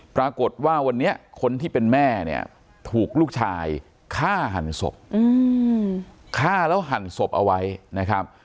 ปรากฏว่าวันนี้คนที่เป็นแม่เนี่ยถูกลูกชายฆ่าหันศพฆ่าแล้วหั่นศพเอาไว้นะครับ